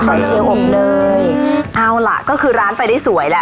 เชียวอบเลยเอาล่ะก็คือร้านไปได้สวยแหละ